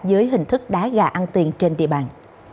dưới hình thức đá gà ăn tiền trên địa bàn